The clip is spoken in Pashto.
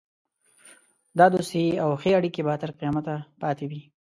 دا دوستي او ښې اړېکې به تر قیامته پاته وي.